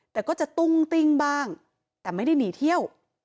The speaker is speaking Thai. แต่ก็จะตุ้งติ้งบ้างแต่ไม่ได้หนีเที่ยว